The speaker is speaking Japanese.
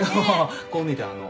こう見えてあのう。